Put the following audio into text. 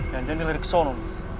yan jany lari ke sana